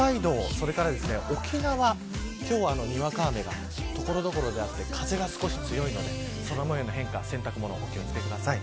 それから沖縄今日はにわか雨が所々であって風が少し強いので空模様の変化、洗濯物お気を付けください。